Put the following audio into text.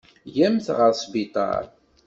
Yya-mt ɣer sbiṭar.